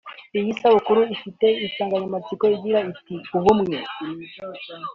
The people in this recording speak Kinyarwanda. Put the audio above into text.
Iyi sabukuru ifite insanganyamatsiko igira iti “Ubumwe